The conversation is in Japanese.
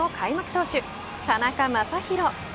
投手田中将大。